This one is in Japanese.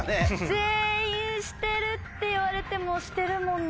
全員してるって言われてもしてるもんな。